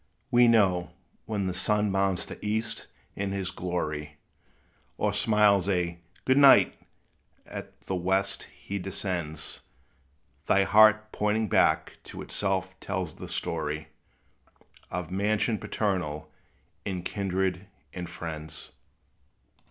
We know, when the sun mounts the east in his glory, Or smiles a "good night," as the west he descends, Thy heart, pointing back, to itself tells the story Of mansion paternal, and kindred and friends.